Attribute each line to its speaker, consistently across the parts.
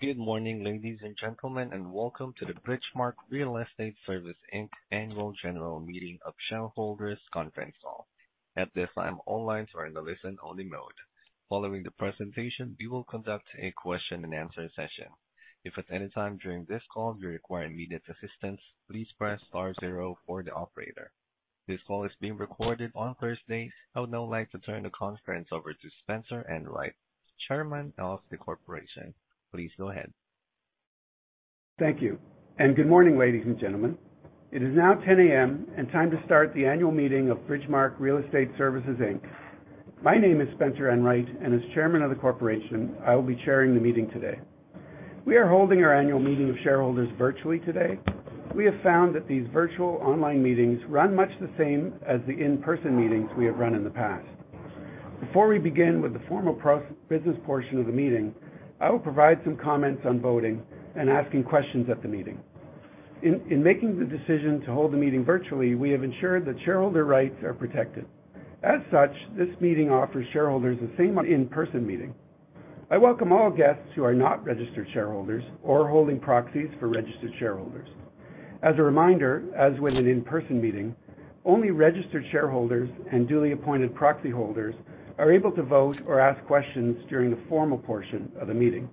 Speaker 1: Good morning, ladies and gentlemen. Welcome to the Bridgemarq Real Estate Services Inc. Annual General Meeting of Shareholders Conference Call. At this time, all lines are in a listen only mode. Following the presentation, we will conduct a question and answer session. If at any time during this call you require immediate assistance, please press star zero for the operator. This call is being recorded. I would now like to turn the conference over to Spencer Enright, Chairman of the Corporation. Please go ahead.
Speaker 2: Thank you. Good morning, ladies and gentlemen. It is now 10:00 A.M. and time to start the annual meeting of Bridgemarq Real Estate Services Inc. My name is Spencer Enright, and as Chairman of the Corporation, I will be chairing the meeting today. We are holding our annual meeting of shareholders virtually today. We have found that these virtual online meetings run much the same as the in-person meetings we have run in the past. Before we begin with the formal business portion of the meeting, I will provide some comments on voting and asking questions at the meeting. In making the decision to hold the meeting virtually, we have ensured that shareholder rights are protected. As such, this meeting offers shareholders the same in-person meeting. I welcome all guests who are not registered shareholders or holding proxies for registered shareholders. As a reminder, as with an in-person meeting, only registered shareholders and duly appointed proxy holders are able to vote or ask questions during the formal portion of the meeting.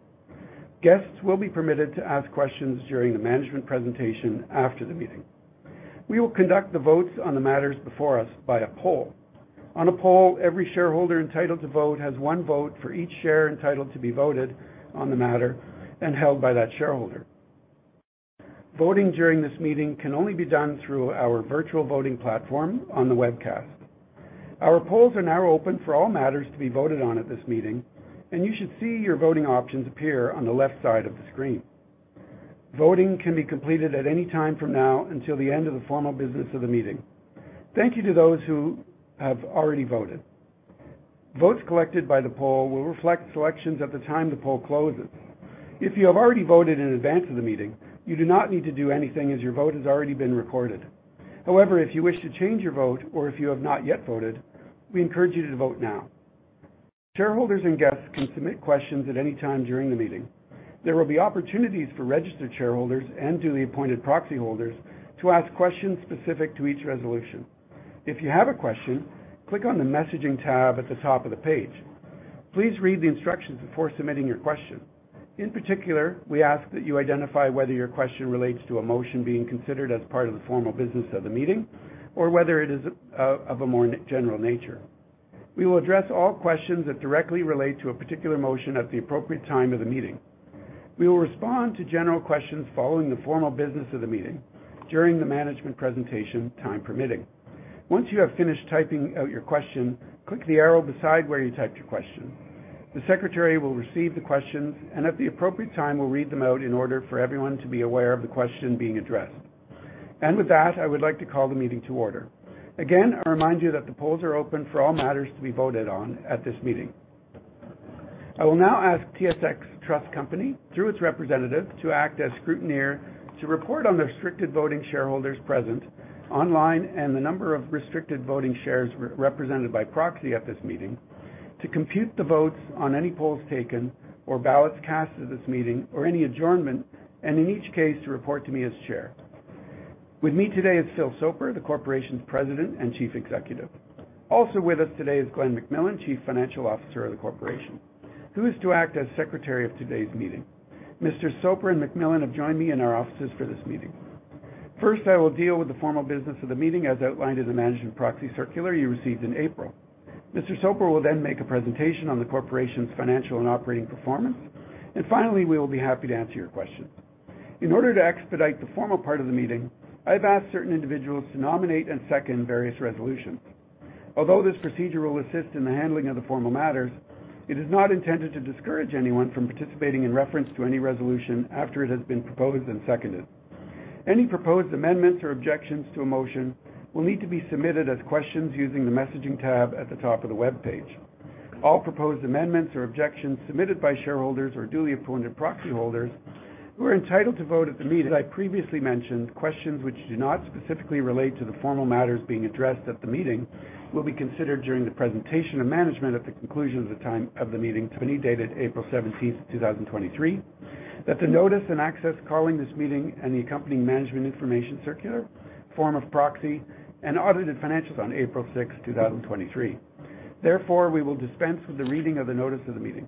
Speaker 2: Guests will be permitted to ask questions during the management presentation after the meeting. We will conduct the votes on the matters before us by a poll. On a poll, every shareholder entitled to vote has one vote for each share entitled to be voted on the matter and held by that shareholder. Voting during this meeting can only be done through our virtual voting platform on the webcast. Our polls are now open for all matters to be voted on at this meeting, and you should see your voting options appear on the left side of the screen. Voting can be completed at any time from now until the end of the formal business of the meeting. Thank you to those who have already voted. Votes collected by the poll will reflect selections at the time the poll closes. If you have already voted in advance of the meeting, you do not need to do anything as your vote has already been recorded. However, if you wish to change your vote or if you have not yet voted, we encourage you to vote now. Shareholders and guests can submit questions at any time during the meeting. There will be opportunities for registered shareholders and duly appointed proxy holders to ask questions specific to each resolution. If you have a question, click on the messaging tab at the top of the page. Please read the instructions before submitting your question. In particular, we ask that you identify whether your question relates to a motion being considered as part of the formal business of the meeting, or whether it is of a more general nature. We will address all questions that directly relate to a particular motion at the appropriate time of the meeting. We will respond to general questions following the formal business of the meeting during the management presentation, time permitting. Once you have finished typing out your question, click the arrow beside where you typed your question. The secretary will receive the questions and at the appropriate time, will read them out in order for everyone to be aware of the question being addressed. With that, I would like to call the meeting to order. Again, I remind you that the polls are open for all matters to be voted on at this meeting. I will now ask TSX Trust Company, through its representative, to act as scrutineer to report on the restricted voting shareholders present online and the number of Restricted Voting Shares re-represented by proxy at this meeting to compute the votes on any polls taken or ballots cast at this meeting or any adjournment, and in each case to report to me as chair. With me today is Phil Soper, the corporation's President and Chief Executive. With us today is Glen McMillan, Chief Financial Officer of the corporation, who is to act as secretary of today's meeting. Mr. Soper and McMillan have joined me in our offices for this meeting. First, I will deal with the formal business of the meeting, as outlined in the management proxy circular you received in April. Mr. Soper will make a presentation on the corporation's financial and operating performance. Finally, we will be happy to answer your questions. In order to expedite the formal part of the meeting, I've asked certain individuals to nominate and second various resolutions. Although this procedure will assist in the handling of the formal matters, it is not intended to discourage anyone from participating in reference to any resolution after it has been proposed and seconded. Any proposed amendments or objections to a motion will need to be submitted as questions using the messaging tab at the top of the web page. All proposed amendments or objections submitted by shareholders or duly appointed proxy holders who are entitled to vote at the meeting. As I previously mentioned, questions which do not specifically relate to the formal matters being addressed at the meeting will be considered during the presentation of management at the conclusion of the time of the meeting to be dated April 17th, 2023. That the notice and access calling this meeting and the accompanying management information circular, form of proxy and audited financials on April 6th, 2023. Therefore, we will dispense with the reading of the notice of the meeting.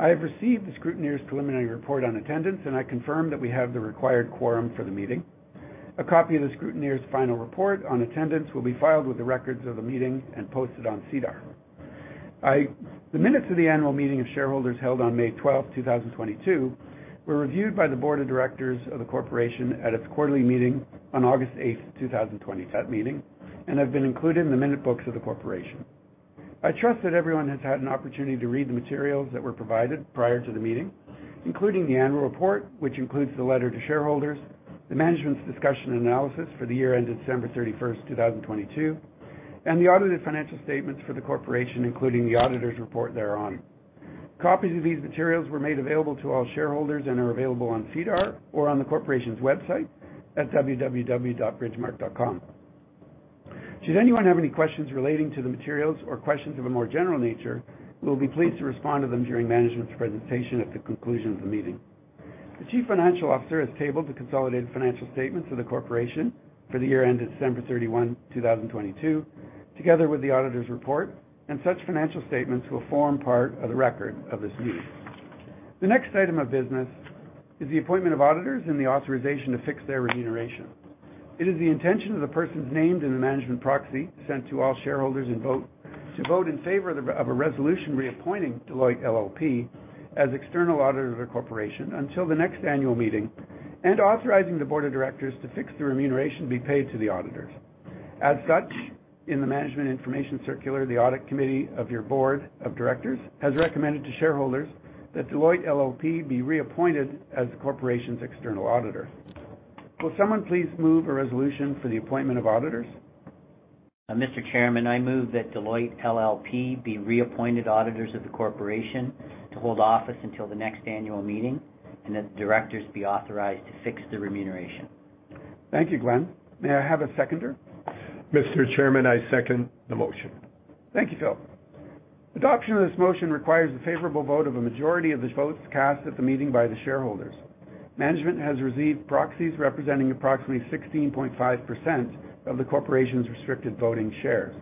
Speaker 2: I have received the scrutineer's preliminary report on attendance, and I confirm that we have the required quorum for the meeting. A copy of the scrutineer's final report on attendance will be filed with the records of the meeting and posted on SEDAR+. The minutes of the annual meeting of shareholders held on May 12th, 2022 were reviewed by the board of directors of the Corporation at its quarterly meeting on August 8th, 2022, that meeting, and have been included in the minute books of the Corporation. I trust that everyone has had an opportunity to read the materials that were provided prior to the meeting, including the annual report, which includes the letter to shareholders, the management discussion and analysis for the year ended December 31st, 2022, and the audited financial statements for the Corporation, including the auditor's report thereon. Copies of these materials were made available to all shareholders and are available on SEDAR+ or on the corporation's website at www.bridgemarq.com. Should anyone have any questions relating to the materials or questions of a more general nature, we'll be pleased to respond to them during management's presentation at the conclusion of the meeting. The Chief Financial Officer has tabled the consolidated financial statements of the Corporation for the year ended December 31, 2022, together with the auditor's report, and such financial statements will form part of the record of this meeting. The next item of business is the appointment of auditors and the authorization to fix their remuneration. It is the intention of the persons named in the management proxy sent to all shareholders in vote to vote in favor of a resolution reappointing Deloitte LLP as external auditors of the Corporation until the next annual meeting and authorizing the board of directors to fix the remuneration be paid to the auditors. As such, in the management information circular, the audit committee of your board of directors has recommended to shareholders that Deloitte LLP be reappointed as the Corporation's external auditor. Will someone please move a resolution for the appointment of auditors?
Speaker 3: Mr. Chairman, I move that Deloitte LLP be reappointed auditors of the Corporation to hold office until the next annual meeting and that the directors be authorized to fix the remuneration.
Speaker 2: Thank you, Glen. May I have a seconder?
Speaker 4: Mr. Chairman, I second the motion.
Speaker 2: Thank you, Phil. Adoption of this motion requires a favorable vote of a majority of the votes cast at the meeting by the shareholders. Management has received proxies representing approximately 16.5% of the Corporation's Restricted Voting Shares.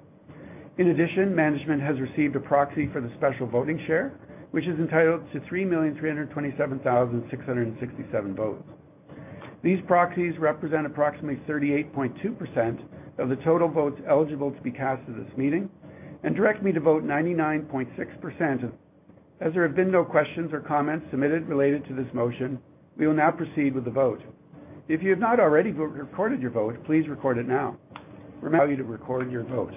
Speaker 2: In addition, management has received a proxy for the Special Voting Share, which is entitled to 3,327,667 votes. These proxies represent approximately 38.2% of the total votes eligible to be cast at this meeting and direct me to vote 99.6%. As there have been no questions or comments submitted related to this motion, we will now proceed with the vote. If you have not already recorded your vote, please record it now. Allow you to record your vote.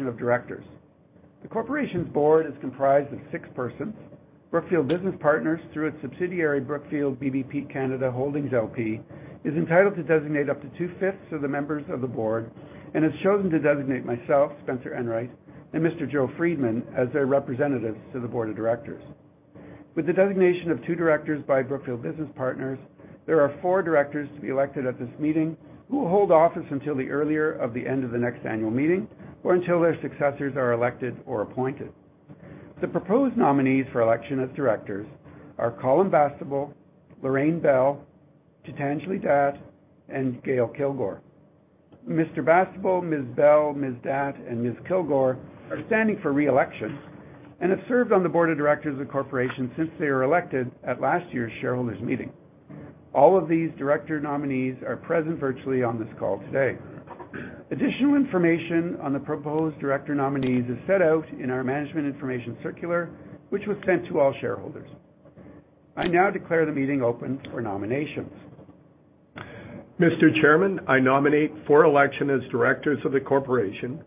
Speaker 2: Of directors. The Corporation's board is comprised of six persons. Brookfield Business Partners through its subsidiary, Brookfield BBP Canada Holdings LP, is entitled to designate up to two-fifths of the members of the board and has chosen to designate myself, Spencer Enright, and Mr. Joe Freedman as their representatives to the board of directors. With the designation of two directors by Brookfield Business Partners, there are four directors to be elected at this meeting who will hold office until the earlier of the end of the next annual meeting or until their successors are elected or appointed. The proposed nominees for election as directors are Colum Bastable, Lorraine Bell, Jitanjli Datt, and Gail Kilgour. Mr. Bastable, Ms. Bell, Ms. Datt, and Ms. Kilgour are standing for re-election and have served on the board of directors of the Corporation since they were elected at last year's shareholders' meeting. All of these director nominees are present virtually on this call today. Additional information on the proposed director nominees is set out in our Management Information Circular, which was sent to all shareholders. I now declare the meeting open for nominations.
Speaker 4: Mr. Chairman, I nominate for election as directors of the Corporation,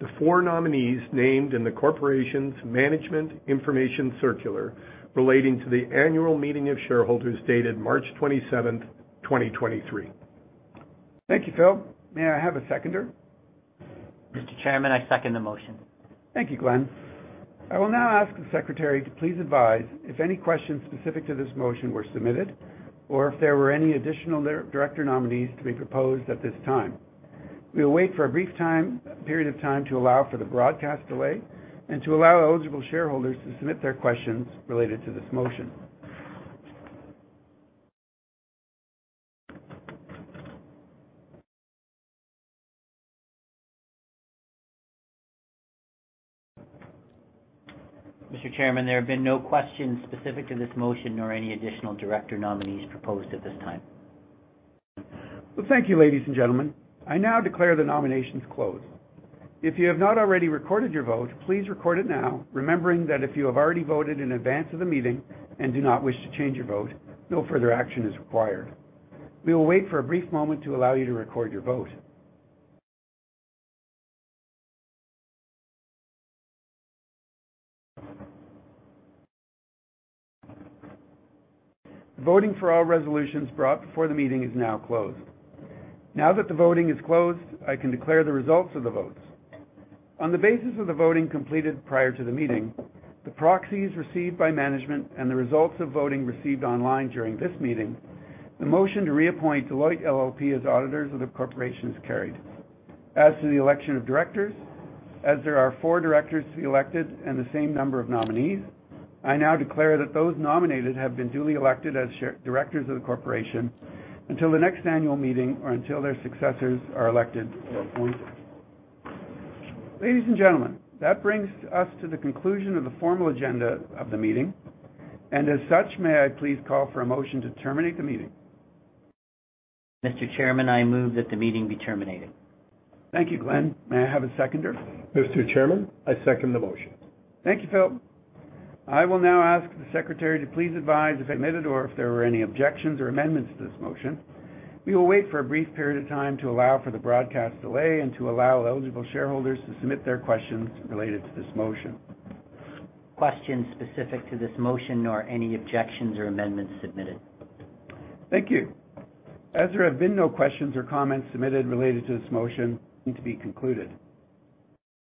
Speaker 4: the four nominees named in the Corporation's Management Information Circular relating to the annual meeting of shareholders dated March 27th, 2023.
Speaker 2: Thank you, Phil. May I have a seconder?
Speaker 3: Mr. Chairman, I second the motion.
Speaker 2: Thank you, Glen. I will now ask the secretary to please advise if any questions specific to this motion were submitted or if there were any additional director nominees to be proposed at this time. We will wait for a brief time, period of time to allow for the broadcast delay and to allow eligible shareholders to submit their questions related to this motion.
Speaker 3: Mr. Chairman, there have been no questions specific to this motion nor any additional director nominees proposed at this time.
Speaker 2: Well, thank you, ladies and gentlemen. I now declare the nominations closed. If you have not already recorded your vote, please record it now, remembering that if you have already voted in advance of the meeting and do not wish to change your vote, no further action is required. We will wait for a brief moment to allow you to record your vote. Voting for all resolutions brought before the meeting is now closed. Now that the voting is closed, I can declare the results of the votes. On the basis of the voting completed prior to the meeting, the proxies received by management and the results of voting received online during this meeting, the motion to reappoint Deloitte LLP as auditors of the Corporation is carried. As to the election of directors, as there are four directors to be elected and the same number of nominees, I now declare that those nominated have been duly elected as directors of the Corporation until the next annual meeting or until their successors are elected or appointed. Ladies and gentlemen, that brings us to the conclusion of the formal agenda of the meeting. As such, may I please call for a motion to terminate the meeting?
Speaker 3: Mr. Chairman, I move that the meeting be terminated.
Speaker 2: Thank you, Glen. May I have a seconder?
Speaker 4: Mr. Chairman, I second the motion.
Speaker 2: Thank you, Phil. I will now ask the secretary to please advise if admitted or if there were any objections or amendments to this motion. We will wait for a brief period of time to allow for the broadcast delay and to allow eligible shareholders to submit their questions related to this motion.
Speaker 3: Questions specific to this motion nor any objections or amendments submitted.
Speaker 2: Thank you. As there have been no questions or comments submitted related to this motion, to be concluded.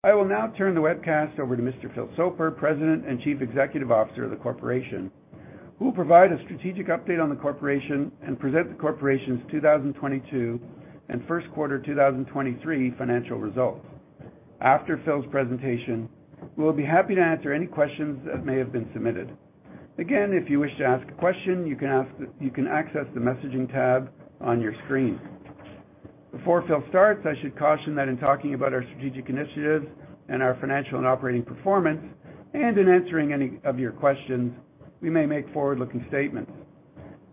Speaker 2: I will now turn the webcast over to Mr. Phil Soper, President and Chief Executive Officer of the corporation, who will provide a strategic update on the corporation and present the corporation's 2022 and first quarter 2023 financial results. After Phil's presentation, we'll be happy to answer any questions that may have been submitted. Again, if you wish to ask a question, you can access the messaging tab on your screen. Before Phil starts, I should caution that in talking about our strategic initiatives and our financial and operating performance, and in answering any of your questions, we may make forward-looking statements.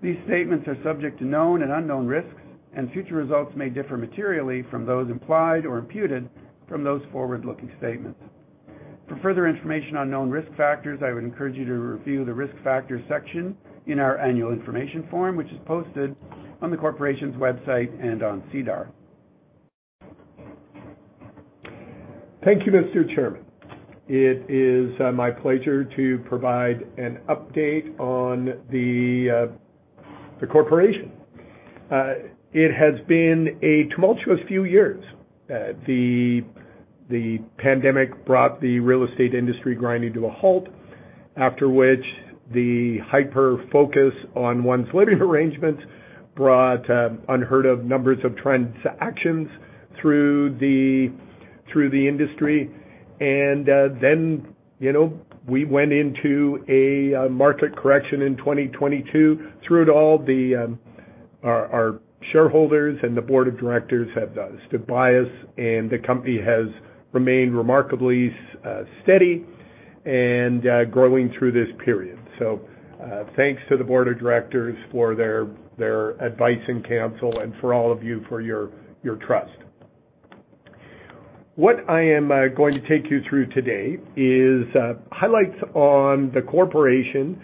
Speaker 2: These statements are subject to known and unknown risks, and future results may differ materially from those implied or imputed from those forward-looking statements. For further information on known risk factors, I would encourage you to review the Risk Factors section in our Annual Information Form, which is posted on the corporation's website and on SEDAR.
Speaker 4: Thank you, Mr. Chairman. It is my pleasure to provide an update on the corporation. It has been a tumultuous few years. The pandemic brought the real estate industry grinding to a halt, after which the hyper-focus on one's living arrangements brought unheard of numbers of transactions through the through the industry. Then, you know, we went into a market correction in 2022. Through it all, the our shareholders and the board of directors have stood by us, and the company has remained remarkably steady and growing through this period. Thanks to the board of directors for their their advice and counsel, and for all of you, for your your trust. What I am going to take you through today is highlights on the corporation,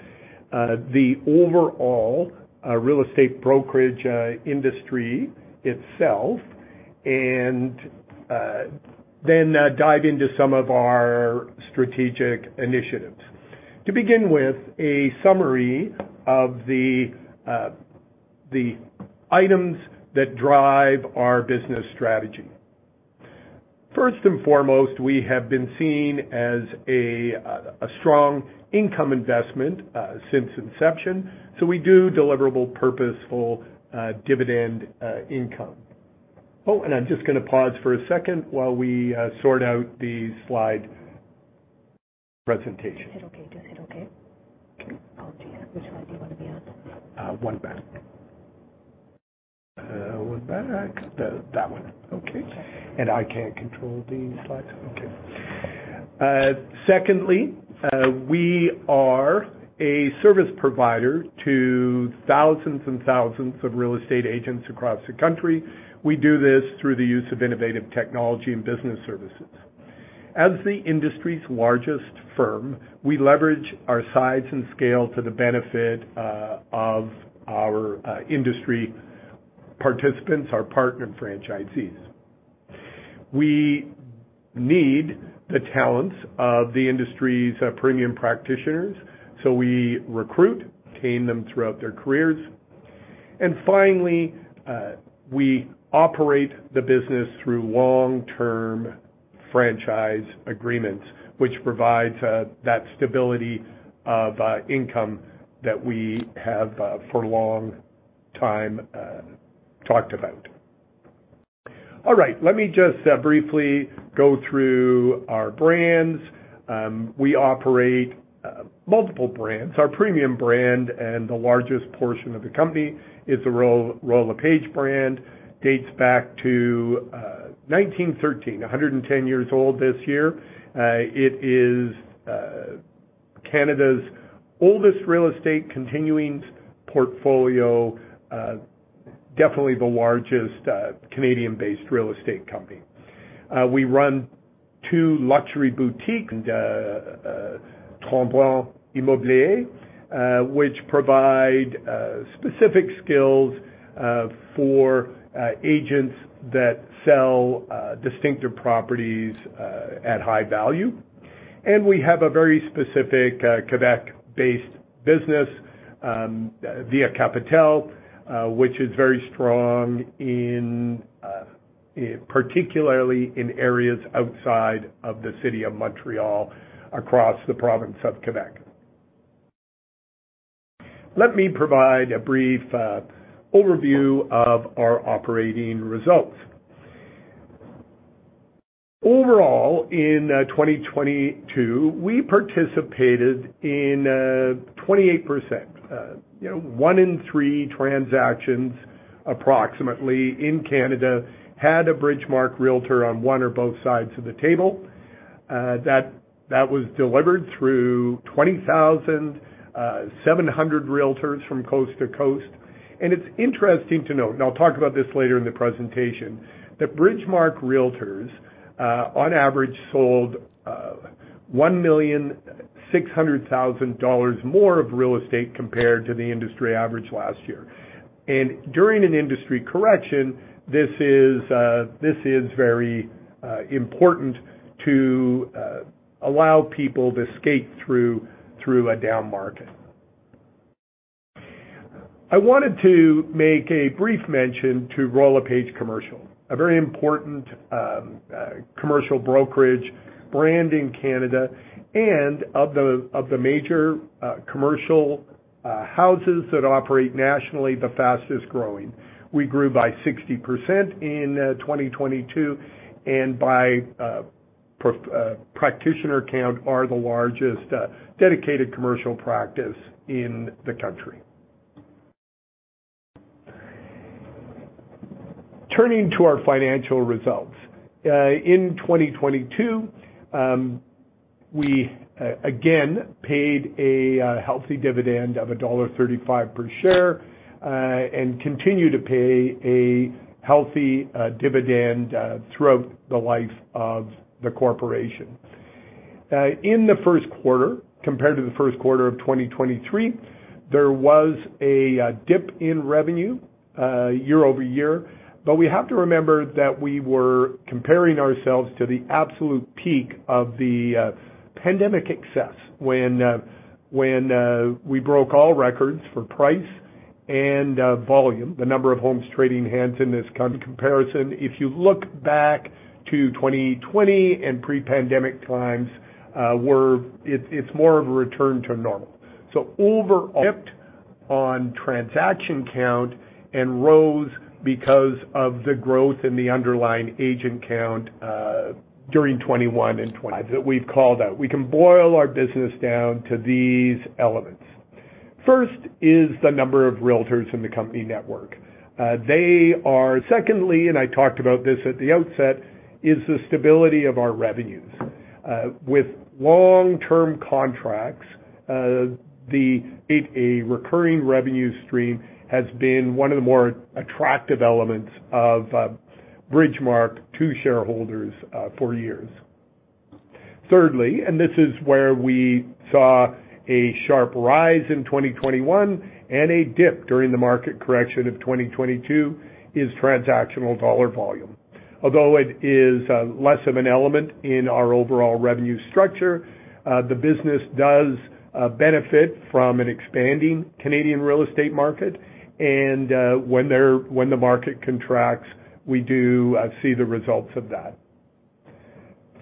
Speaker 4: the overall real estate brokerage industry itself, then dive into some of our strategic initiatives. To begin with, a summary of the items that drive our business strategy. First and foremost, we have been seen as a strong income investment since inception, so we do deliverable, purposeful dividend income. I'm just gonna pause for a second while we sort out the slide presentation.
Speaker 5: Just hit OK.
Speaker 4: Okay.
Speaker 5: Oh, dear. Which slide do you wanna be on?
Speaker 4: One back. That one. Okay.
Speaker 5: Sure.
Speaker 4: I can't control the slides. Okay. Secondly, we are a service provider to thousands and thousands of real estate agents across the country. We do this through the use of innovative technology and business services. As the industry's largest firm, we leverage our size and scale to the benefit of our industry participants, our partner franchisees. We need the talents of the industry's premium practitioners, so we recruit, retain them throughout their careers. Finally, we operate the business through long-term franchise agreements, which provides that stability of income that we have for a long time talked about. All right. Let me just briefly go through our brands. We operate multiple brands. Our premium brand and the largest portion of the company is the Royal LePage brand, dates back to 1913, 110 years old this year. It is Canada's oldest real estate continuing portfolio, definitely the largest Canadian-based real estate company. We run two luxury boutiques, Tremblant Immeubles, which provide specific skills for agents that sell distinctive properties at high value. We have a very specific Quebec-based business, Via Capitale, which is very strong in, particularly in areas outside of the city of Montreal across the province of Quebec. Let me provide a brief overview of our operating results. Overall, in 2022, we participated in 28%. you know, one in three transactions approximately in Canada had a Bridgemarq REALTORS on one or both sides of the table. That was delivered through 20,700 REALTORS from coast to coast. It's interesting to note, and I'll talk about this later in the presentation, that Bridgemarq REALTORS, on average sold, 1.6 million more of real estate compared to the industry average last year. During an industry correction, this is, this is very important to allow people to skate through a down market. I wanted to make a brief mention to Royal LePage Commercial, a very important, commercial brokerage brand in Canada, and of the major, commercial houses that operate nationally, the fastest growing. We grew by 60% in 2022 and by practitioner count are the largest dedicated commercial practice in the country. Turning to our financial results. In 2022, we again paid a healthy dividend of dollar 1.35 per share and continue to pay a healthy dividend throughout the life of the corporation. In the first quarter, compared to the first quarter of 2023, there was a dip in revenue year-over-year. We have to remember that we were comparing ourselves to the absolute peak of the pandemic excess when we broke all records for price and volume, the number of homes trading hands in this comparison. If you look back to 2020 and pre-pandemic times, it's more of a return to normal. On transaction count and rose because of the growth in the underlying agent count during 2021 and 2022. That we've called out. We can boil our business down to these elements. First is the number of REALTORS in the company network. Secondly, and I talked about this at the outset, is the stability of our revenues. With long-term contracts, a recurring revenue stream has been one of the more attractive elements of Bridgemarq to shareholders for years. Thirdly, and this is where we saw a sharp rise in 2021 and a dip during the market correction of 2022, is transactional dollar volume. Although it is less of an element in our overall revenue structure, the business does benefit from an expanding Canadian real estate market. When the market contracts, we do see the results of that.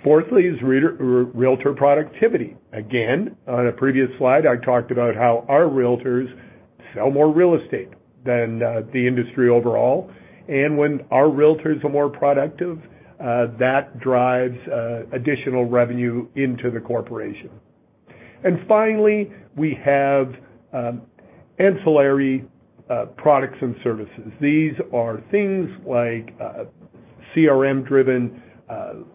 Speaker 4: Fourthly is realtor productivity. Again, on a previous slide, I talked about how our REALTORS sell more real estate than the industry overall. When our REALTORS are more productive, that drives additional revenue into the corporation. Finally, we have ancillary products and services. These are things like CRM-driven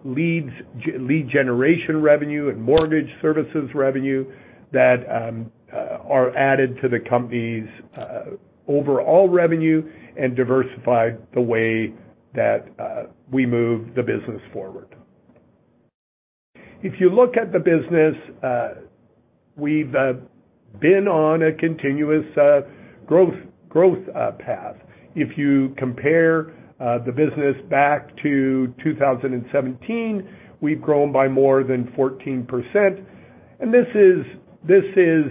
Speaker 4: leads-- lead generation revenue and mortgage services revenue that are added to the company's overall revenue and diversify the way that we move the business forward. If you look at the business, we've been on a continuous growth path. If you compare the business back to 2017, we've grown by more than 14%. This is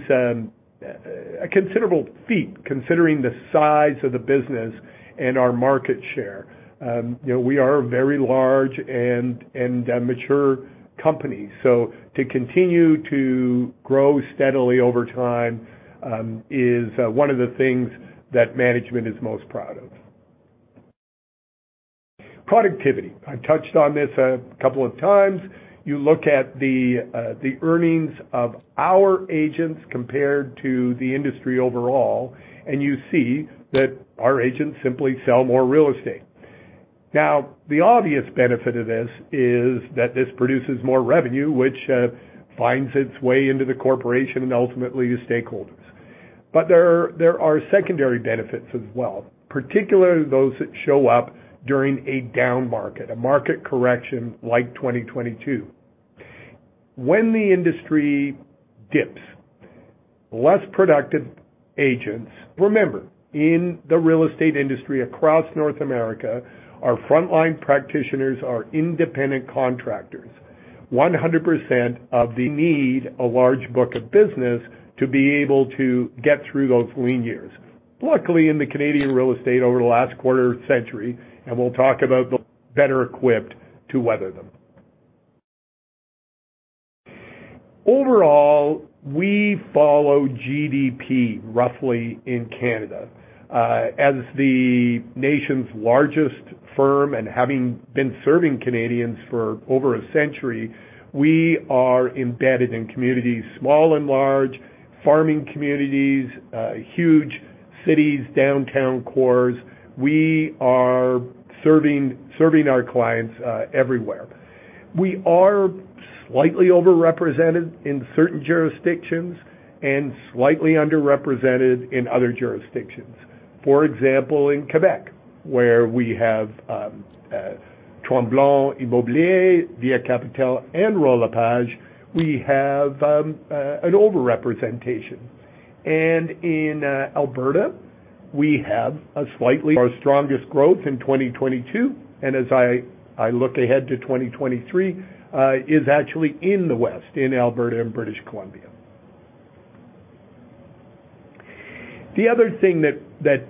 Speaker 4: a considerable feat considering the size of the business and our market share. You know, we are a very large and a mature company. To continue to grow steadily over time is one of the things that management is most proud of. Productivity. I touched on this a couple of times. You look at the earnings of our agents compared to the industry overall, and you see that our agents simply sell more real estate. The obvious benefit of this is that this produces more revenue, which finds its way into the corporation and ultimately the stakeholders. There are secondary benefits as well, particularly those that show up during a down market, a market correction like 2022. When the industry dips, less productive agents—remember, in the real estate industry across North America, our frontline practitioners are independent contractors. Need a large book of business to be able to get through those lean years. Luckily, in the Canadian real estate over the last quarter century, better equipped to weather them. Overall, we follow GDP roughly in Canada. As the nation's largest firm and having been serving Canadians for over a century, we are embedded in communities, small and large, farming communities, huge cities, downtown cores. We are serving our clients everywhere. We are slightly over-represented in certain jurisdictions and slightly underrepresented in other jurisdictions. For example, in Quebec, where we have Les Immeubles Mont-Tremblant, Via Capitale, and Royal LePage, we have an overrepresentation. In Alberta, Our strongest growth in 2022, and as I look ahead to 2023, is actually in the West, in Alberta and British Columbia. The other thing that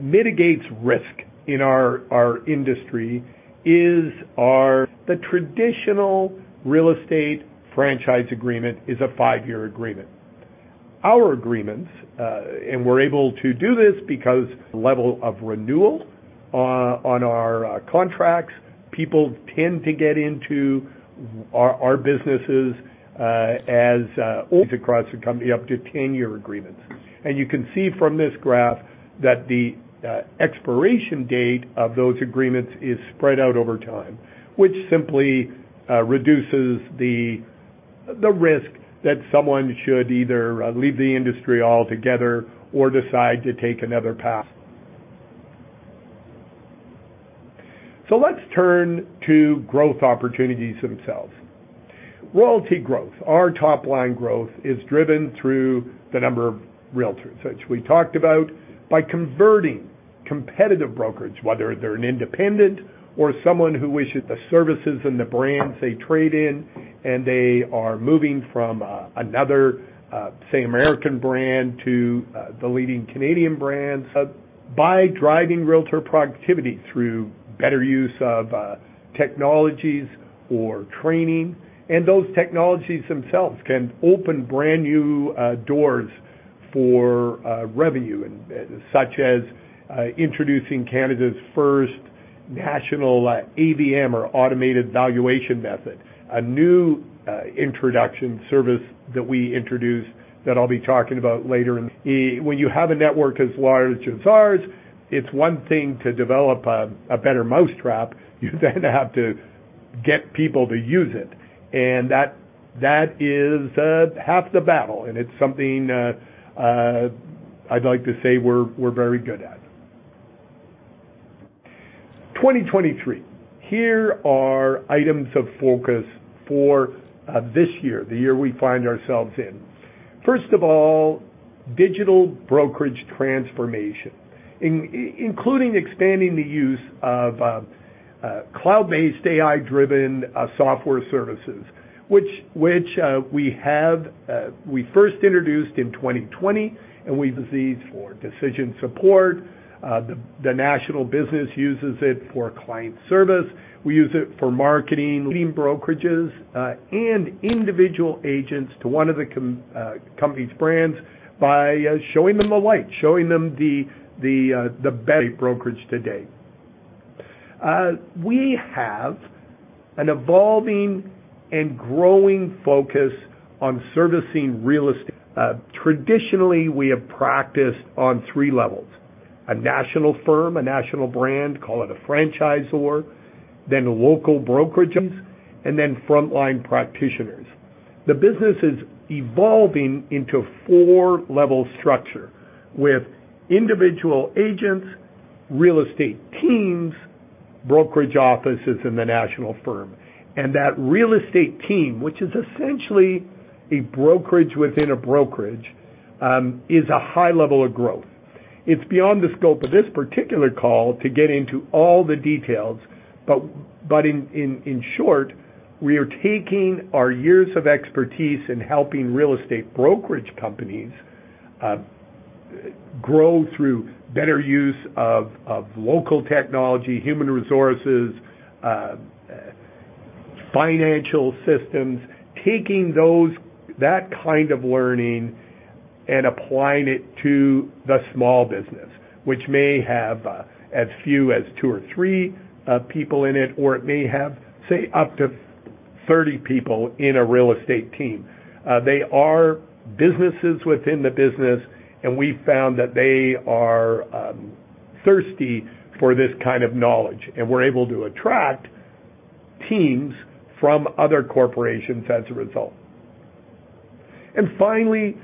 Speaker 4: mitigates risk in our industry. The traditional real estate franchise agreement is a five-year agreement. Our agreements, and we're able to do this because level of renewal on our contracts. People tend to get into our businesses, as owners across the company, up to 10-year agreements. You can see from this graph that the expiration date of those agreements is spread out over time, which simply reduces the risk that someone should either leave the industry altogether or decide to take another path. Let's turn to growth opportunities themselves. Royalty growth. Our top line growth is driven through the number of realtor, which we talked about, by converting competitive brokerage, whether they're an independent or someone who wishes the services and the brands they trade in, and they are moving from another, say, American brand to the leading Canadian brands. By driving realtor productivity through better use of technologies or training. Those technologies themselves can open brand new doors for revenue, such as introducing Canada's first national AVM or automated valuation model, a new introduction service that we introduced that I'll be talking about later in the. When you have a network as large as ours, it's one thing to develop a better mousetrap, you then have to get people to use it. That is half the battle, and it's something I'd like to say we're very good at. 2023. Here are items of focus for this year, the year we find ourselves in. First of all, digital brokerage transformation, including expanding the use of cloud-based, AI-driven software services, which we have first introduced in 2020, and we've used for decision support. The national business uses it for client service. We use it for marketing. Leading brokerages and individual agents to one of the company's brands by showing them the light, showing them the best brokerage to date. We have an evolving and growing focus on servicing real estate. Traditionally, we have practiced on three levels: a national firm, a national brand, call it a franchisor, then local brokerages, and then frontline practitioners. The business is evolving into a four-level structure with individual agents, real estate teams, brokerage offices, and the national firm. That real estate team, which is essentially a brokerage within a brokerage, is a high level of growth. It's beyond the scope of this particular call to get into all the details, but in short, we are taking our years of expertise in helping real estate brokerage companies grow through better use of local technology, human resources, financial systems, taking that kind of learning and applying it to the small business, which may have as few as two or three people in it, or it may have, say, up to 30 people in a real estate team. They are businesses within the business, and we found that they are thirsty for this kind of knowledge, and we're able to attract teams from other corporations as a result. Finally,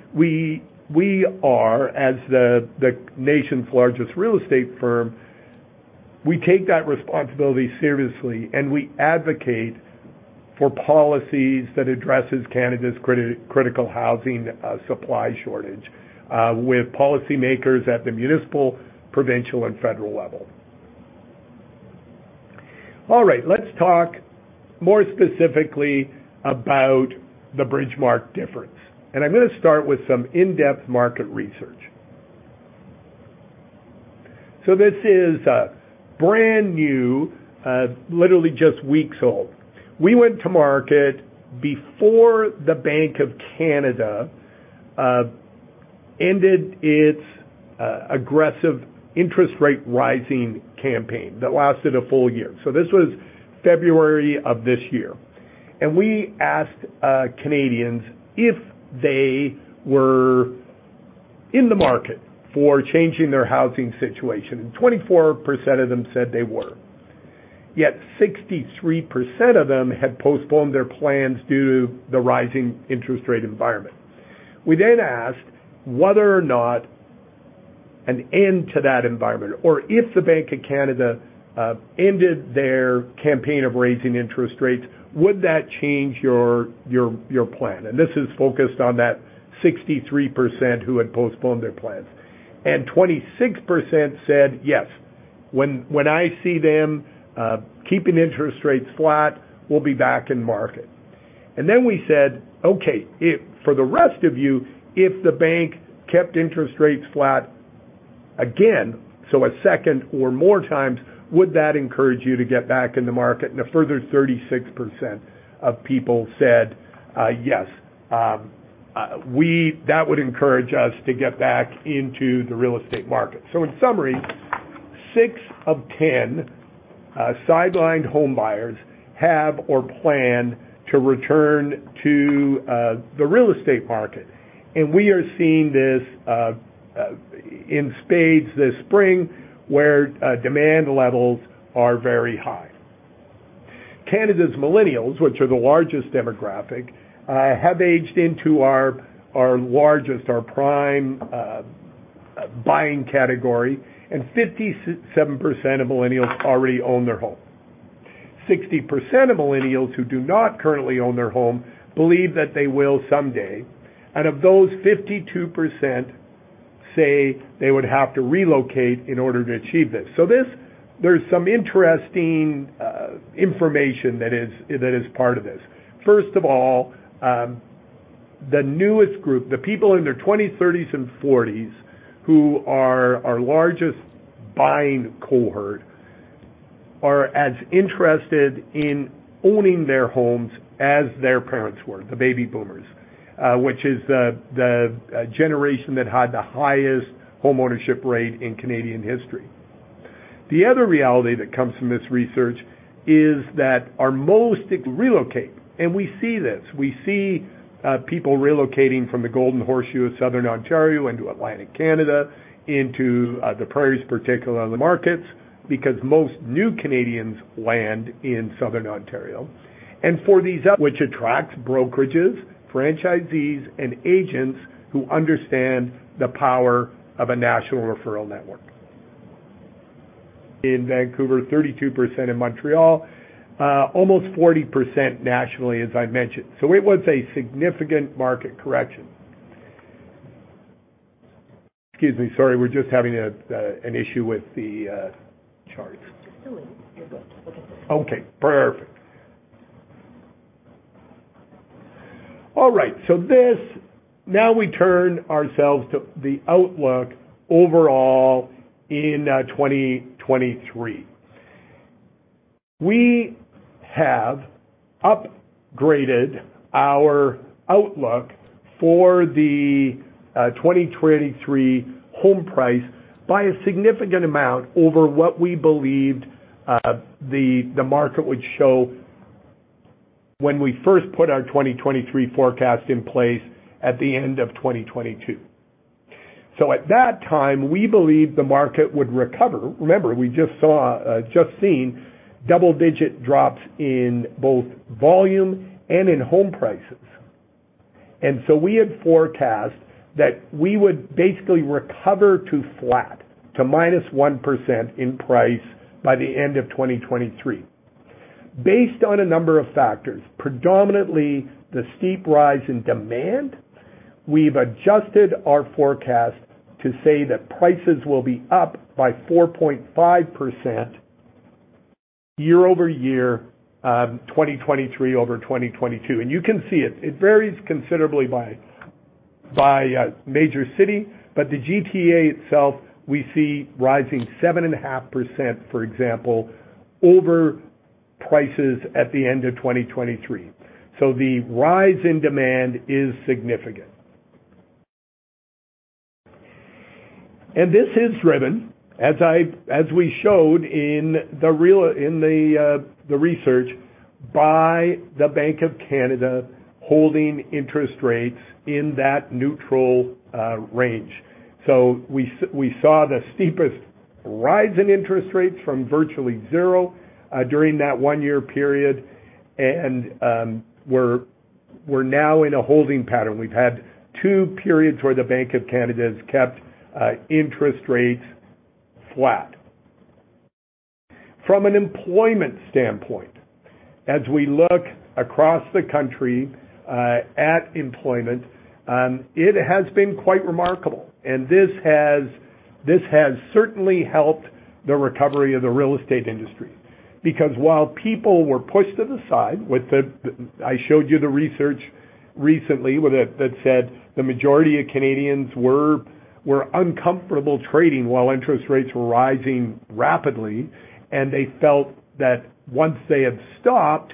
Speaker 4: we are, as the nation's largest real estate firm, we take that responsibility seriously, and we advocate for policies that addresses Canada's critical housing supply shortage with policymakers at the municipal, provincial, and federal level. All right. Let's talk more specifically about the Bridgemarq difference. I'm gonna start with some in-depth market research. This is brand new, literally just weeks old. We went to market before the Bank of Canada ended its aggressive interest rate rising campaign that lasted a full year. This was February of this year. We asked Canadians if they were in the market for changing their housing situation, and 24% of them said they were. Yet 63% of them had postponed their plans due to the rising interest rate environment. We asked whether or not an end to that environment, or if the Bank of Canada ended their campaign of raising interest rates, would that change your plan? This is focused on that 63% who had postponed their plans. 26% said, "Yes, when I see them keeping interest rates flat, we'll be back in market." We said, "Okay, if for the rest of you, if the bank kept interest rates flat again, so a second or more times, would that encourage you to get back in the market?" A further 36% of people said, "Yes, that would encourage us to get back into the real estate market." In summary, six of 10 sidelined home buyers have or plan to return to the real estate market. We are seeing this in spades this spring, where demand levels are very high. Canada's millennials, which are the largest demographic, have aged into our largest, our prime buying category. 57% of millennials already own their home. 60% of millennials who do not currently own their home believe that they will someday. Of those, 52% say they would have to relocate in order to achieve this. There's some interesting information that is part of this. First of all, the newest group, the people in their 20s, 30s, and 40s who are our largest buying cohort, are as interested in owning their homes as their parents were, the baby boomers, which is the generation that had the highest home ownership rate in Canadian history. The other reality that comes from this research is that our most relocate, and we see this. We see people relocating from the Golden Horseshoe of Southern Ontario into Atlantic Canada, into the Prairies, particularly the markets, because most new Canadians land in Southern Ontario. And for these up, which attracts brokerages, franchisees, and agents who understand the power of a national referral network. In Vancouver, 32% in Montreal, almost 40% nationally, as I mentioned. It was a significant market correction. Excuse me, sorry, we're just having an issue with the charts.
Speaker 5: Just delete. You're good. Look at this.
Speaker 4: Okay, perfect. All right, now we turn ourselves to the outlook overall in 2023. We have upgraded our outlook for the 2023 home price by a significant amount over what we believed the market would show when we first put our 2023 forecast in place at the end of 2022. At that time, we believed the market would recover. Remember, we just seen double-digit drops in both volume and in home prices. We had forecast that we would basically recover to flat, to -1% in price by the end of 2023. Based on a number of factors, predominantly the steep rise in demand, we've adjusted our forecast to say that prices will be up by 4.5% year-over-year, 2023 over 2022. You can see it. It varies considerably by major city. The GTA itself, we see rising 7.5%, for example, over prices at the end of 2023. The rise in demand is significant. This is driven, as we showed in the research by the Bank of Canada holding interest rates in that neutral range. We saw the steepest rise in interest rates from virtually zero during that 1-year period. We're now in a holding pattern. We've had two periods where the Bank of Canada has kept interest rates flat. From an employment standpoint, as we look across the country at employment, it has been quite remarkable, and this has certainly helped the recovery of the real estate industry. Because while people were pushed to the side with I showed you the research recently with that said the majority of Canadians were uncomfortable trading while interest rates were rising rapidly, and they felt that once they had stopped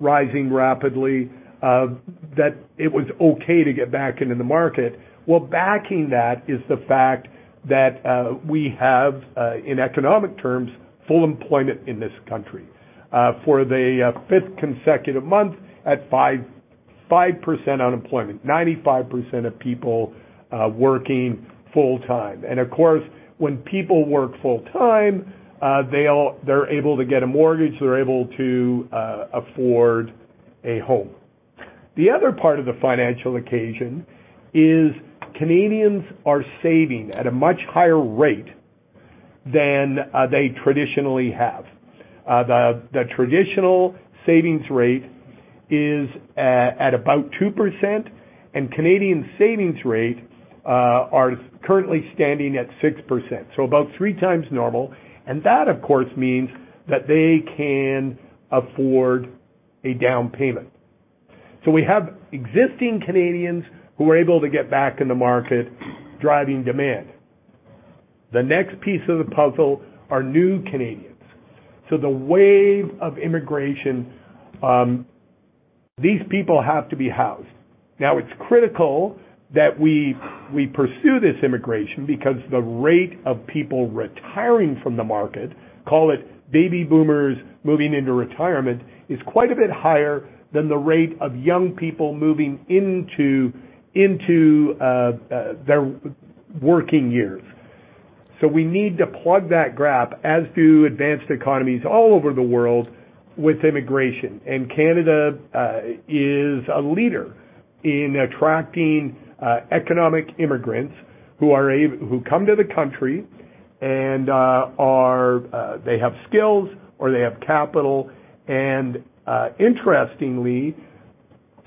Speaker 4: rising rapidly, that it was okay to get back into the market. Well, backing that is the fact that we have in economic terms, full employment in this country, for the fifth consecutive month at 5.5% unemployment, 95% of people working full-time. Of course, when people work full-time, they're able to get a mortgage, they're able to afford a home. The other part of the financial occasion is Canadians are saving at a much higher rate than they traditionally have. The traditional savings rate is at about 2%, Canadian savings rate are currently standing at 6%, so about 3x normal. That, of course, means that they can afford a down payment. We have existing Canadians who are able to get back in the market driving demand. The next piece of the puzzle are new Canadians. The wave of immigration, these people have to be housed. Now, it's critical that we pursue this immigration because the rate of people retiring from the market, call it baby boomers moving into retirement, is quite a bit higher than the rate of young people moving into their working years. We need to plug that gap, as do advanced economies all over the world, with immigration. Canada is a leader in attracting economic immigrants who come to the country and they have skills or they have capital. Interestingly,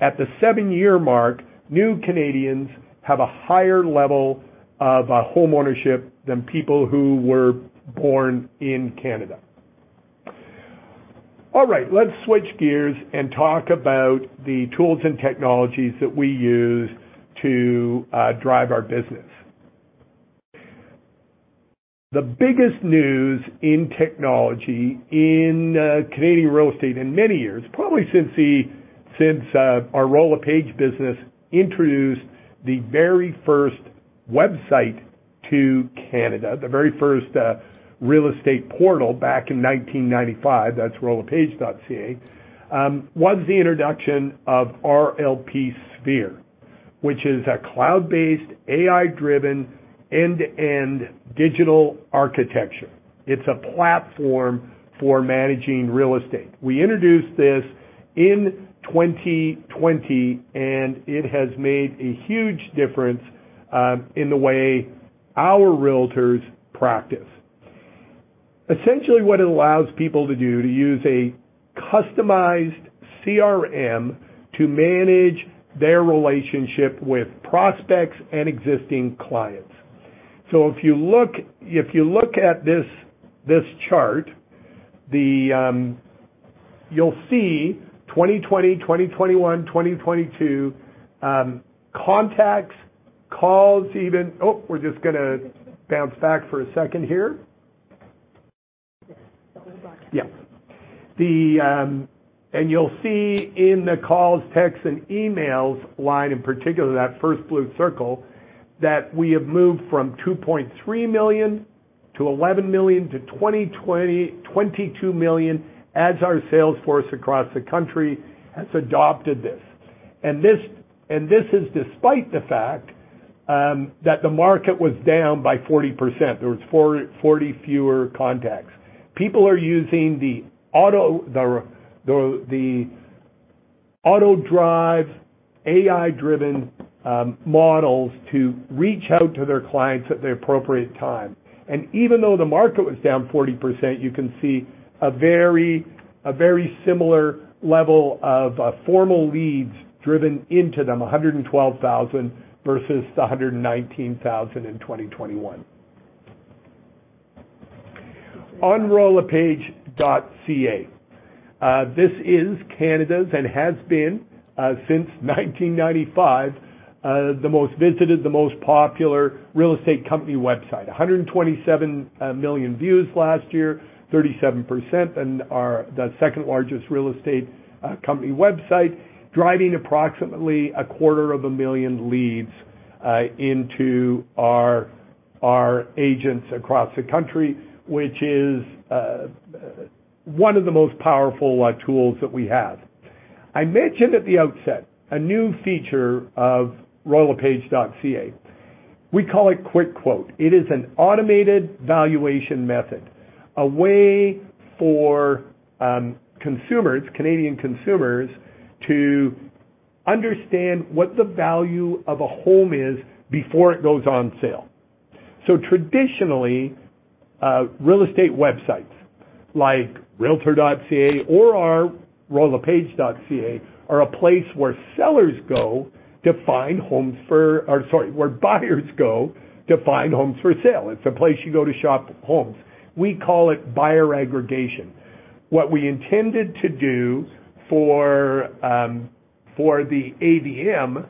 Speaker 4: at the seven-year mark, new Canadians have a higher level of homeownership than people who were born in Canada. All right, let's switch gears and talk about the tools and technologies that we use to drive our business. The biggest news in technology in Canadian real estate in many years, probably since Royal LePage business introduced the very first website to Canada, the very first real estate portal back in 1995, that's royallepage.ca, was the introduction of rlpSPHERE, which is a cloud-based, AI-driven end-to-end digital architecture. It's a platform for managing real estate. We introduced this in 2020, and it has made a huge difference in the way our REALTORS practice. Essentially, what it allows people to do to use a customized CRM to manage their relationship with prospects and existing clients. If you look at this chart, the... You'll see 2020, 2021, 2022, contacts, calls even. We're just gonna bounce back for a second here.
Speaker 5: The whole block.
Speaker 4: You'll see in the calls, texts, and emails line in particular, that first blue circle, that we have moved from 2.3 million to 11 million to 22 million as our sales force across the country has adopted this. This is despite the fact that the market was down by 40%. There was 40 fewer contacts. People are using the auto-drive, AI-driven models to reach out to their clients at the appropriate time. Even though the market was down 40%, you can see a very similar level of formal leads driven into them, 112,000 versus 119,000 in 2021. On royallepage.ca, this is Canada's and has been since 1995, the most visited, the most popular real estate company website. 127 million views last year, 37% and are the second-largest real estate company website, driving approximately a quarter of a million leads into our agents across the country, which is one of the most powerful tools that we have. I mentioned at the outset a new feature of royallepage.ca. We call it QuickQuote. It is an automated valuation method, a way for consumers, Canadian consumers to understand what the value of a home is before it goes on sale. Traditionally, real estate websites like realtor.ca or our royallepage.ca are a place, or sorry, where buyers go to find homes for sale. It's a place you go to shop homes. We call it buyer aggregation. What we intended to do for for the AVM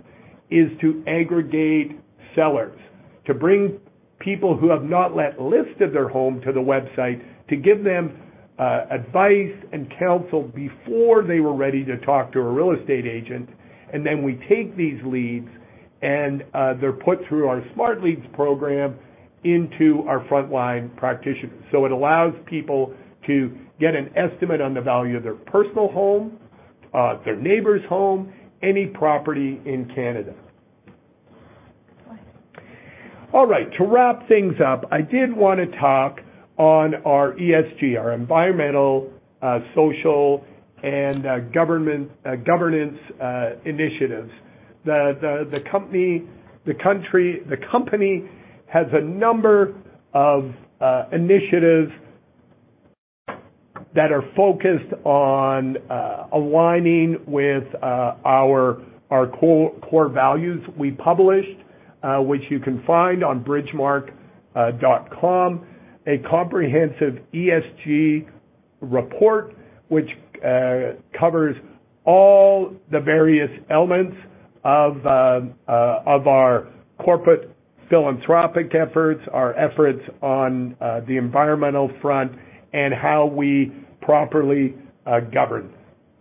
Speaker 4: is to aggregate sellers, to bring people who have not yet listed their home to the website to give them advice and counsel before they were ready to talk to a real estate agent. We take these leads, and they're put through our Smart Leads program into our frontline practitioners. It allows people to get an estimate on the value of their personal home, their neighbor's home, any property in Canada. All right, to wrap things up, I did wanna talk on our ESG, our environmental, uh, social, and, uh, government-- uh, governance, uh, initiatives. The, the, the company, the country-- the company has a number of, uh, initiatives that are focused on, uh, aligning with, uh, our, our core, core values we published, uh, which you can find on bridgemarq.com. A comprehensive ESG report, which, uh, covers all the various elements of, uh, uh, our corporate philanthropic efforts, our efforts on, uh, the environmental front, and how we properly, uh, govern,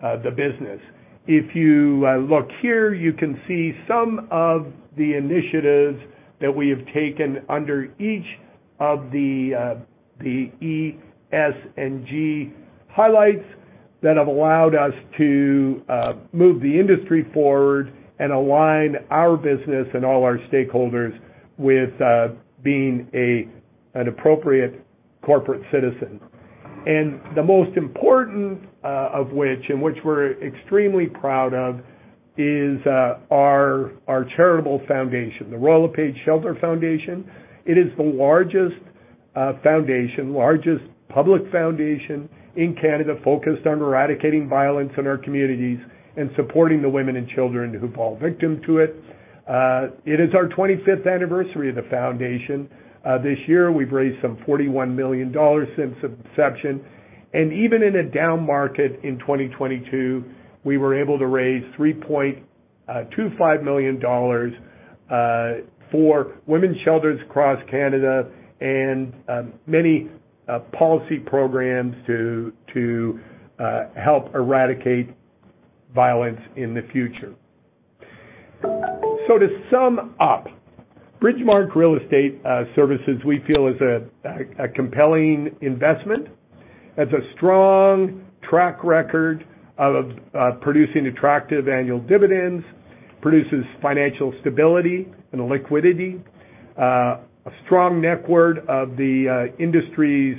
Speaker 4: uh, the business. If you, uh, look here, you can see some of the initiatives that we have taken under each of the, uh, the E, S, and G highlights that have allowed us to, uh, move the industry forward and align our business and all our stakeholders with, uh, being a, an appropriate corporate citizen. The most important of which, and which we're extremely proud of is our charitable foundation, the Royal LePage Shelter Foundation. It is the largest public foundation in Canada focused on eradicating violence in our communities and supporting the women and children who fall victim to it. It is our 25th anniversary of the foundation this year. We've raised some 41 million dollars since inception. Even in a down market in 2022, we were able to raise 3.25 million dollars for women's shelters across Canada and many policy programs to help eradicate violence in the future. To sum up, Bridgemarq Real Estate Services, we feel is a compelling investment. It's a strong track record of producing attractive annual dividends, produces financial stability and liquidity. A strong network of the industry's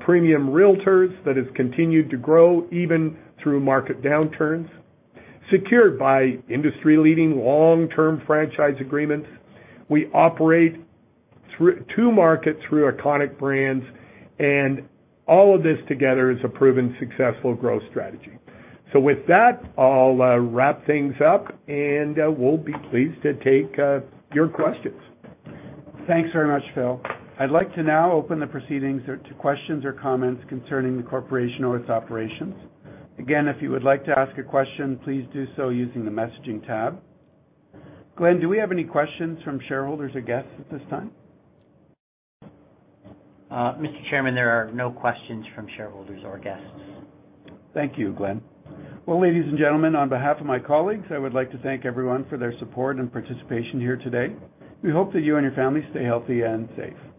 Speaker 4: premium REALTORS that has continued to grow even through market downturns, secured by industry-leading long-term franchise agreements. We operate to market through iconic brands. All of this together is a proven successful growth strategy. With that, I'll wrap things up, and we'll be pleased to take your questions.
Speaker 2: Thanks very much, Phil. I'd like to now open the proceedings or to questions or comments concerning the corporation or its operations. Again, if you would like to ask a question, please do so using the messaging tab. Glen, do we have any questions from shareholders or guests at this time?
Speaker 3: Mr. Chairman, there are no questions from shareholders or guests.
Speaker 2: Thank you, Glen. Well, ladies and gentlemen, on behalf of my colleagues, I would like to thank everyone for their support and participation here today. We hope that you and your family stay healthy and safe.